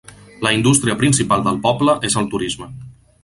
La indústria principal del poble és el turisme.